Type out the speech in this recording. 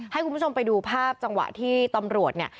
ให้คุณผู้ชมไปดูภาพจังหวะที่ตำรวจเนี่ย